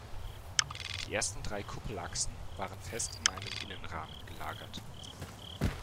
Die ersten drei Kuppelachsen waren fest in einen Innenrahmen gelagert.